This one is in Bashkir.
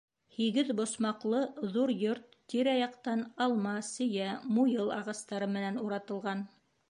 Һигеҙ босмаҡлы ҙур йорт тирә-яҡтан алма, сейә, муйыл ағастары менән уратылған.